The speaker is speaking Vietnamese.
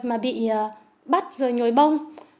mà bị bắt rồi nhồi bông